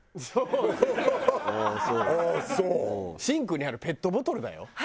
シンクにあるペットボトルだよ？